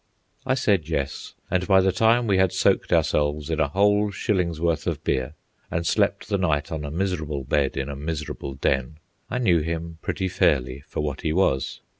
I said yes, and by the time we had soaked ourselves in a whole shilling's worth of beer, and slept the night on a miserable bed in a miserable den, I knew him pretty fairly for what he was.